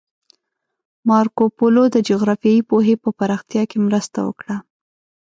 مارکوپولو د جغرافیایي پوهې په پراختیا کې مرسته وکړه.